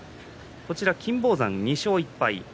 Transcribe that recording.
金峰山は２勝１敗。